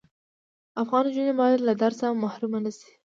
افغان انجوني بايد له درس محرومه نشی